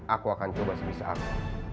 aku akan coba sebisa aku